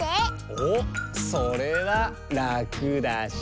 おっそれはラクだし。